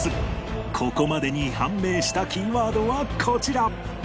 ここまでに判明したキーワードはこちら